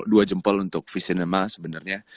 dua jempol untuk v cinema sebenarnya